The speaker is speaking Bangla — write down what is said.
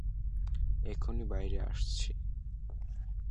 এখনই বাইরে আসছি।